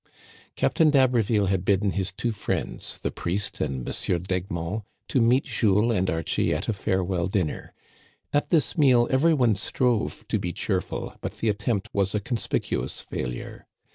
Captain d'Haberville had bidden his two friends, the priest and M. d'Egmont, to meet Jules and Archie at a farewell dinner. At this meal every one strove to be cheerful, but the attempt was a con spicuous failure.